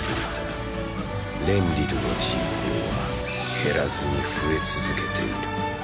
レンリルの人口は減らずに増え続けている。